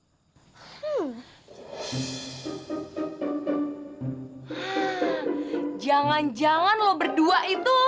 hah jangan jangan lo berdua itu